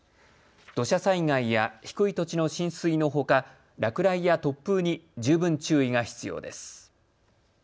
土砂災害や低い土地の浸水のほか落雷や突風に十分注意が必要です。